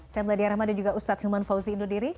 saya mladenya rahman dan juga ustadz hilman fauzi indoniri